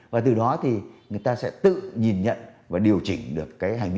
và từ đó thì người ta sẽ tự nhìn nhận và điều chỉnh được